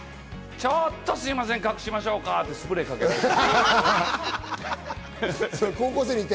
ちょっとすいません、隠しましょうかとスプレーかけられて。